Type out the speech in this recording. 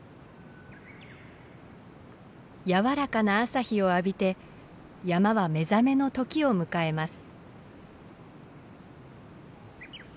やわらかな朝日を浴びて山は目覚めの時を迎えます。